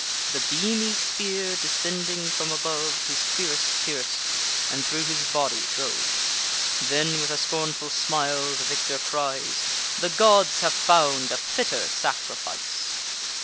The beamy spear, descending from above, His cuirass pierc'd, and thro' his body drove. Then, with a scornful smile, the victor cries: "The gods have found a fitter sacrifice."